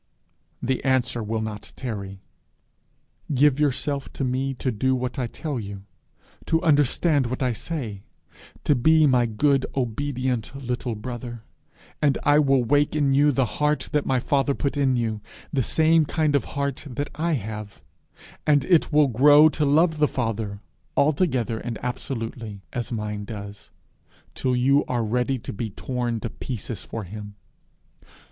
the answer will not tarry. 'Give yourself to me to do what I tell you, to understand what I say, to be my good, obedient little brother, and I will wake in you the heart that my father put in you, the same kind of heart that I have, and it will grow to love the Father, altogether and absolutely, as mine does, till you are ready to be torn to pieces for him.